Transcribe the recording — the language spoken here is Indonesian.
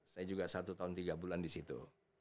saya juga satu tahun tiga bulan di situ